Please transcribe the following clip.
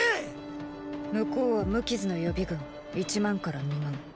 向こうは無傷の予備軍一万から二万。